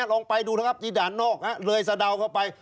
ลองไปดูนะครับที่ด่านนอกเลยสะเดาเข้าไป